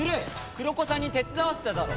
黒子さんに手伝わせただろ！